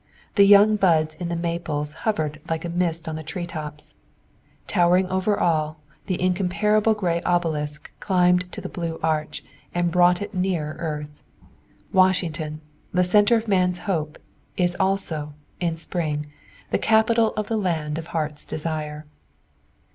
The young buds in the maples hovered like a mist in the tree tops. Towering over all, the incomparable gray obelisk climbed to the blue arch and brought it nearer earth. Washington, the center of man's hope, is also, in spring, the capital of the land of heart's desire.